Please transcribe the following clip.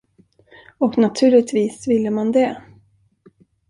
Och naturligtvis ville man det.